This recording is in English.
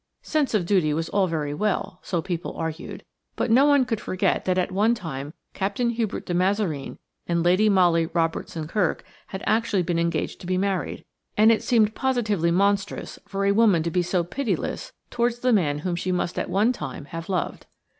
Sense of duty was all very well, so people argued, but no one could forget that at one time Captain Hubert de Mazareen and Lady Molly Robertson Kirk had actually been engaged to be married, and it seemed positively monstrous for a woman to be so pitiless towards the man whom she must at one time have loved.